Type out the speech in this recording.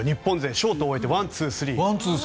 ショートを終えてワンツースリー。